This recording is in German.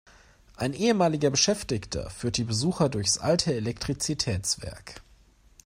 Ein ehemaliger Beschäftigter führt die Besucher durchs alte Elektrizitätswerk.